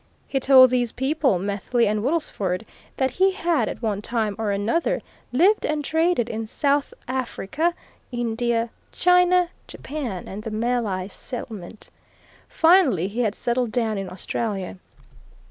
He told these people Methley and Woodlesford, that he had at one time or another lived and traded in South Africa, India, China, Japan and the Malay Settlement finally he had settled down in Australia.